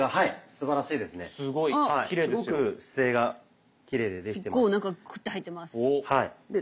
すごく姿勢がきれいでできてます。